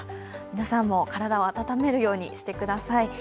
皆さんも体を温めるようにしてください。